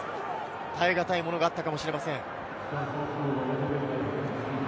耐えがたいものがあったのかもしれません。